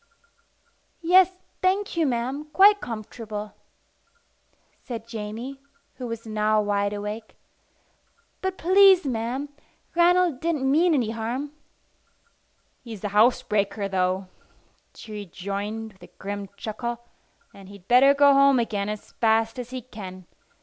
"Yes, thank you, ma'am, quite comfortable," said Jamie, who was now wide awake. "But, please ma'am, Ranald didn't mean any harm." "He's a housebreaker, though," she rejoined with a grim chuckle; "and he'd better go home again as fast as he can.